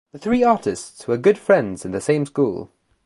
The three artists were good friends in the same school.